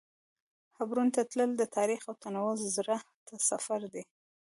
حبرون ته تلل د تاریخ او تنوع زړه ته سفر دی.